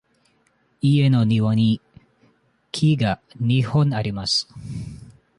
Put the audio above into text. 家の庭に木が二本あります。